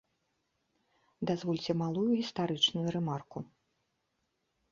Дазвольце малую гістарычную рэмарку.